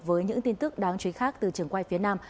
với những tin tức đáng chú ý khác từ trường quay phía nam